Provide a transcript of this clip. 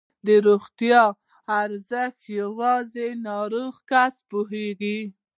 د روغتیا ارزښت یوازې ناروغ کس پوهېږي.